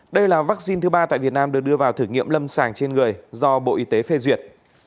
đây là vaccine thứ ba tại việt nam được đưa vào thử nghiệm lâm sàng trên người do bộ y tế phê duyệt